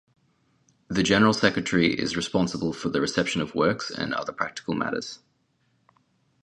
The general secretary is responsible for the reception of works and other practical matters.